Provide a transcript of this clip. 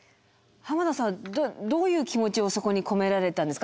濱田さんどういう気持ちをそこに込められたんですか？